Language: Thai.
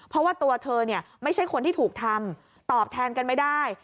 เพราะว่าตัวเธอไม่ใช่คนที่ถูกทำตอบแทนกันไม่ได้